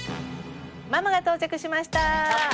ママが到着しました。